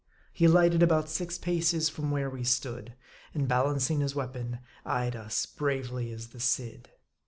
He alighted about six paces from where we stood ; and balancing his weapon, eyed us bravely as the Cid.